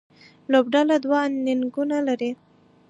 لوبډله دوه انینګونه لري.